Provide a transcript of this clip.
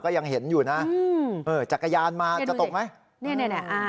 ก็ยังเห็นอยู่นะจากกระยานมาจะตกไหม